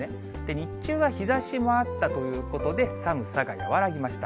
日中は日ざしもあったということで、寒さが和らぎました。